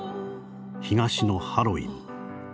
東のハロウィン。